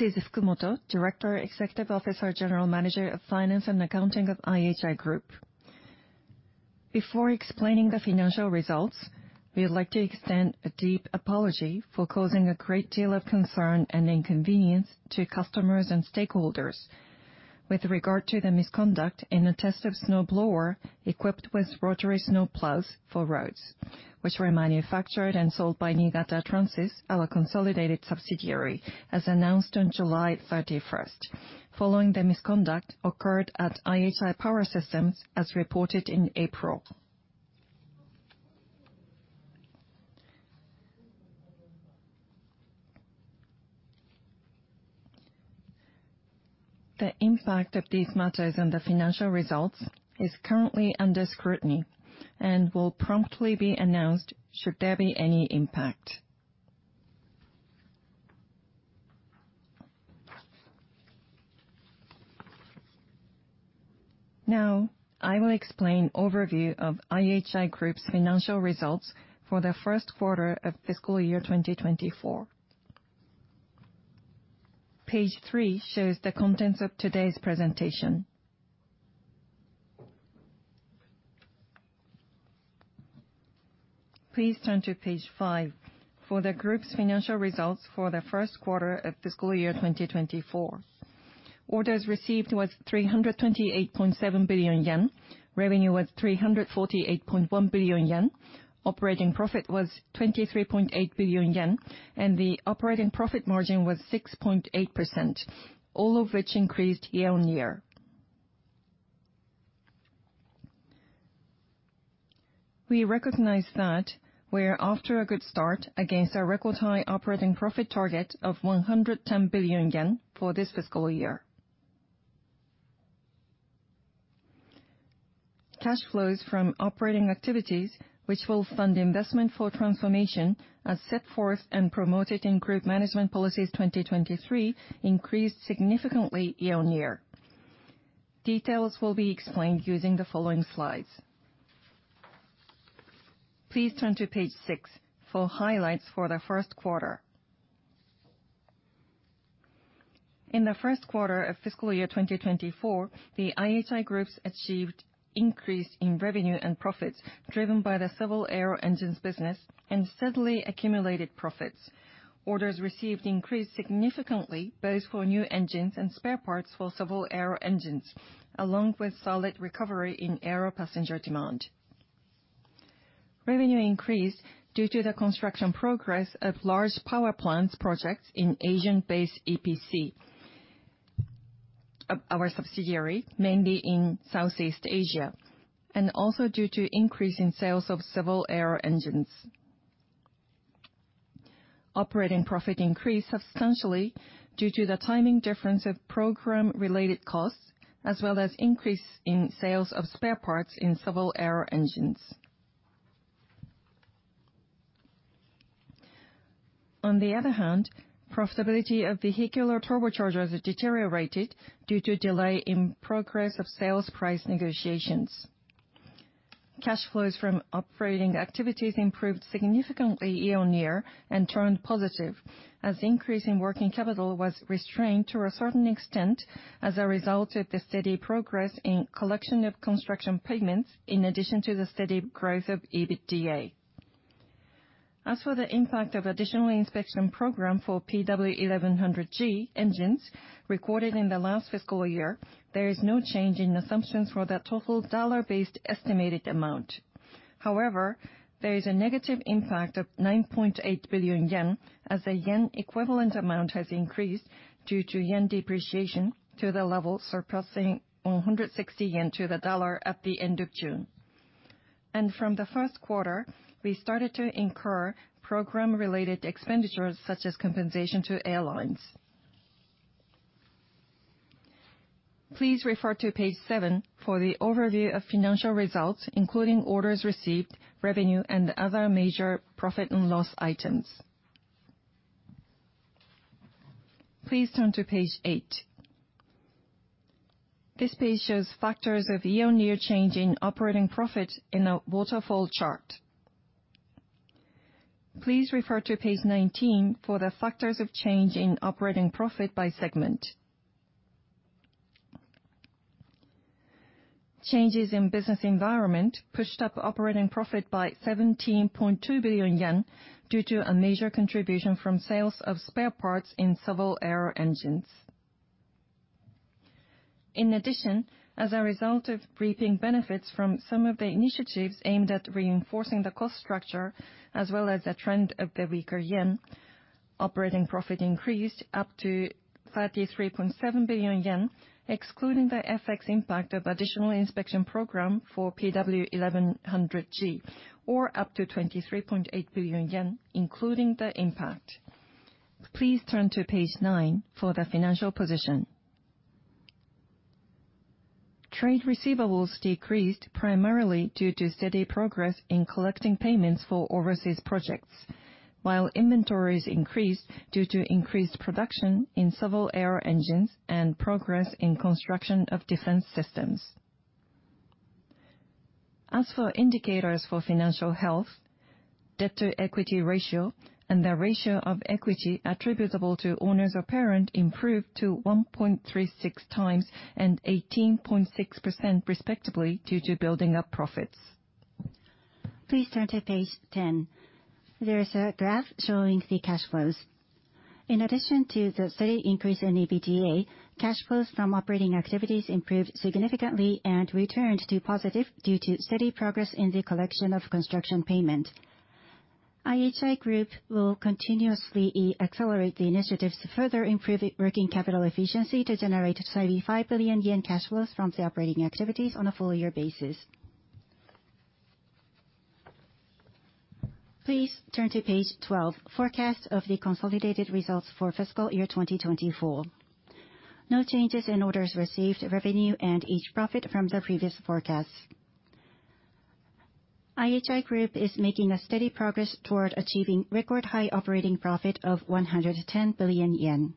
This is Fukumoto, Director, Executive Officer, General Manager of Finance and Accounting of IHI Group. Before explaining the financial results, we would like to extend a deep apology for causing a great deal of concern and inconvenience to customers and stakeholders with regard to the misconduct in a test of snowblower equipped with rotary snowplows for roads, which were manufactured and sold by Niigata Transys, our consolidated subsidiary, as announced on July 31st, following the misconduct occurred at IHI Power Systems, as reported in April. The impact of these matters on the financial results is currently under scrutiny and will promptly be announced should there be any impact. Now, I will explain overview of IHI Group's financial results for the first quarter of fiscal year 2024. Page three shows the contents of today's presentation. Please turn to page five for the group's financial results for the first quarter of fiscal year 2024. Orders received was 328.7 billion yen, revenue was 348.1 billion yen, operating profit was 23.8 billion yen, and the operating profit margin was 6.8%, all of which increased year-on-year. We recognize that we are off to a good start against our record high operating profit target of 110 billion yen for this fiscal year. Cash flows from operating activities, which will fund investment for transformation as set forth and promoted in Group Management Policies 2023, increased significantly year-on-year. Details will be explained using the following slides. Please turn to page six for highlights for the first quarter. In the first quarter of fiscal year 2024, the IHI Group achieved increase in revenue and profits, driven by the civil aero engines business and steadily accumulated profits. Orders received increased significantly, both for new engines and spare parts for civil aero engines, along with solid recovery in aero passenger demand. Revenue increased due to the construction progress of large power plant projects in Asia-based EPC, of our subsidiary, mainly in Southeast Asia, and also due to increase in sales of civil aero engines. Operating profit increased substantially due to the timing difference of program-related costs, as well as increase in sales of spare parts in civil aero engines. On the other hand, profitability of vehicular turbochargers have deteriorated due to delay in progress of sales price negotiations. Cash flows from operating activities improved significantly year-on-year and turned positive, as increase in working capital was restrained to a certain extent as a result of the steady progress in collection of construction payments, in addition to the steady growth of EBITDA. As for the impact of additional inspection program for PW1100G engines recorded in the last fiscal year, there is no change in assumptions for the total dollar-based estimated amount. However, there is a negative impact of 9.8 billion yen, as the yen equivalent amount has increased due to yen depreciation to the level surpassing 160 yen to the dollar at the end of June. From the first quarter, we started to incur program-related expenditures such as compensation to airlines. Please refer to page seven for the overview of financial results, including orders received, revenue, and other major profit and loss items. Please turn to page eight. This page shows factors of year-on-year change in operating profit in a waterfall chart. Please refer to page 19 for the factors of change in operating profit by segment. Changes in business environment pushed up operating profit by 17.2 billion yen due to a major contribution from sales of spare parts in civil aero engines. In addition, as a result of reaping benefits from some of the initiatives aimed at reinforcing the cost structure, as well as the trend of the weaker yen, operating profit increased up to 33.7 billion yen, excluding the FX impact of additional inspection program for PW1100G, or up to 23.8 billion yen, including the impact. Please turn to page nine for the financial position. Trade receivables decreased primarily due to steady progress in collecting payments for overseas projects, while inventories increased due to increased production in civil aero engines and progress in construction of defense systems. As for indicators for financial health, debt-to-equity ratio and the ratio of equity attributable to owners of parent improved to 1.36 times and 18.6% respectively, due to building up profits. Please turn to page 10. There is a graph showing the cash flows. In addition to the steady increase in EBITDA, cash flows from operating activities improved significantly and returned to positive due to steady progress in the collection of construction payment. IHI Group will continuously accelerate the initiatives to further improve the working capital efficiency to generate 75 billion yen cash flows from the operating activities on a full year basis. Please turn to page 12, Forecast of the consolidated results for fiscal year 2024. No changes in orders received, revenue, and each profit from the previous forecast. IHI Group is making a steady progress toward achieving record high operating profit of 110 billion yen.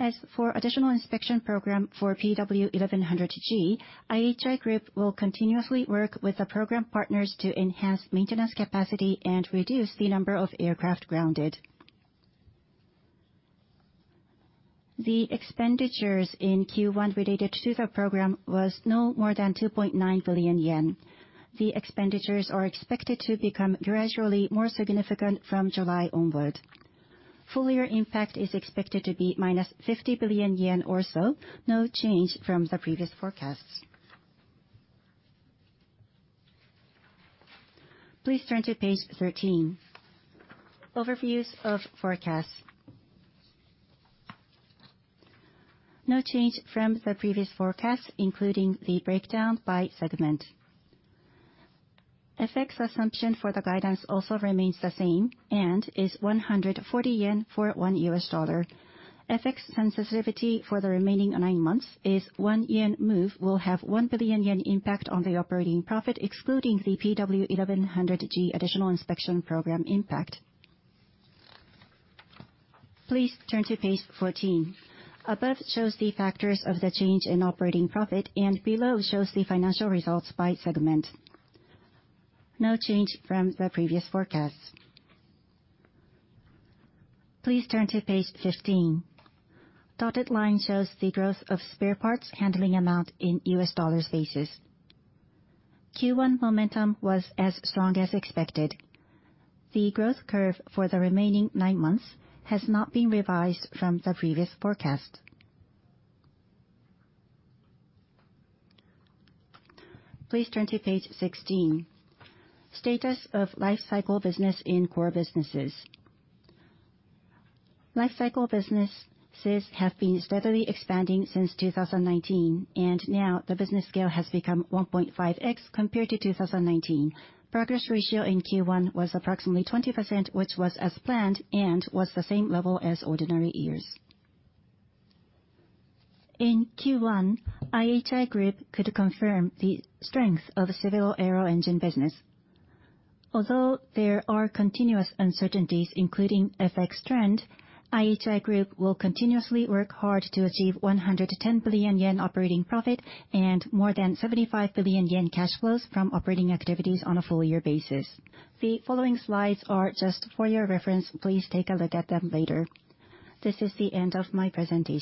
As for additional inspection program for PW1100G, IHI Group will continuously work with the program partners to enhance maintenance capacity and reduce the number of aircraft grounded. The expenditures in Q1 related to the program was no more than 2.9 billion yen. The expenditures are expected to become gradually more significant from July onward. Full year impact is expected to be -50 billion yen or so, no change from the previous forecast. Please turn to page 13. Overviews of forecast. No change from the previous forecast, including the breakdown by segment. FX assumption for the guidance also remains the same, and is 140 yen for $1. FX sensitivity for the remaining nine months is 1 yen move, will have 1 billion yen impact on the operating profit, excluding the PW1100G additional inspection program impact. Please turn to page 14. Above shows the factors of the change in operating profit and below shows the financial results by segment. No change from the previous forecast. Please turn to page 15. Dotted line shows the growth of spare parts handling amount in U.S. dollars basis. Q1 momentum was as strong as expected. The growth curve for the remaining nine months has not been revised from the previous forecast. Please turn to page 16, Status of Lifecycle Business in Core Businesses. Lifecycle businesses have been steadily expanding since 2019, and now the business scale has become 1.5x compared to 2019. Progress ratio in Q1 was approximately 20%, which was as planned and was the same level as ordinary years. In Q1, IHI Group could confirm the strength of civil aero engine business. Although there are continuous uncertainties including FX trend, IHI Group will continuously work hard to achieve 110 billion yen operating profit and more than 75 billion yen cash flows from operating activities on a full year basis. The following slides are just for your reference. Please take a look at them later. This is the end of my presentation.